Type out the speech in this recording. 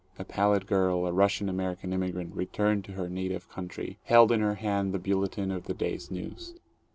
A pallid girl, a Russian American immigrant returned to her native country, held in her hand the bulletin of the day's news.